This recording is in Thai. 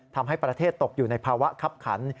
ทำให้ประเทศตกอยู่ในภาวะคับขัน